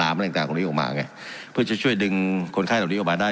น้ำอะไรต่างต่างของนี้ออกมาไงเพื่อจะช่วยดึงคนไข้ตรงนี้ออกมาได้